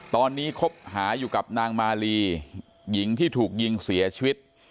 ตอนนี้คบหาอยู่กับนางมาลีหญิงที่ถูกยิงเสียชีวิต